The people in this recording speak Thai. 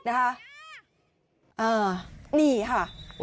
นี่ค่ะ